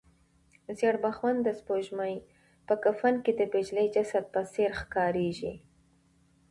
زېړبخونده سپوږمۍ په کفن کې د پېچلي جسد په څېر ښکاریږي.